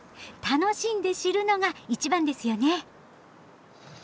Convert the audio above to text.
楽しんで知るのが一番ですよね！